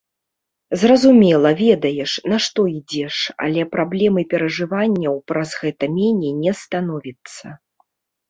Зразумела, ведаеш, на што ідзеш, але праблем і перажыванняў праз гэта меней не становіцца.